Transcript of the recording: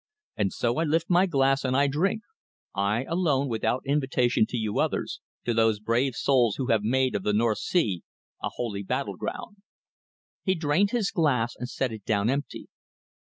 And so I lift my glass and I drink I alone, without invitation to you others to those brave souls who have made of the North Sea a holy battle ground." He drained his glass and set it down empty.